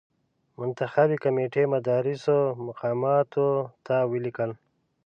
منتخبي کمېټې مدراس مقاماتو ته ولیکل.